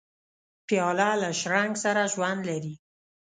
پیاله له شرنګ سره ژوند لري.